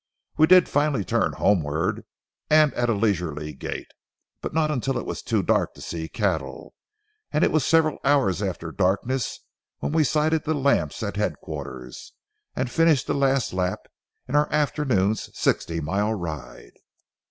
We did finally turn homeward, and at a leisurely gait, but not until it was too dark to see cattle, and it was several hours after darkness when we sighted the lamps at headquarters, and finished the last lap in our afternoon's sixty mile ride.